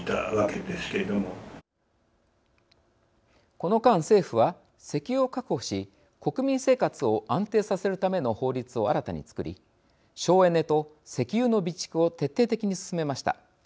この間政府は石油を確保し国民生活を安定させるための法律を新たにつくり省エネと石油の備蓄を徹底的に進めました。